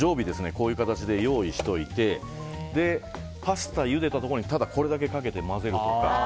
こういう形で用意しておいてパスタをゆでたところにただこれだけをかけて混ぜるとか。